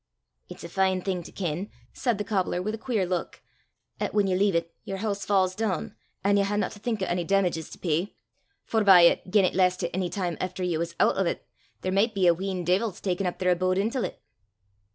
"It's a fine thing to ken," said the cobbler, with a queer look, "'at whan ye lea' 't, yer hoose fa's doon, an' ye haena to think o' ony damages to pey forby 'at gien it laistit ony time efter ye was oot o' 't, there micht be a wheen deevils takin' up their abode intil 't."